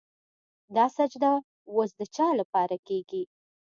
دا سجده وس د چا دپاره کيږي